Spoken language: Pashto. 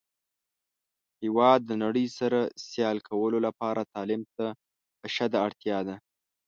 هیواد د نړۍ سره سیال کولو لپاره تعلیم ته اشده اړتیا ده.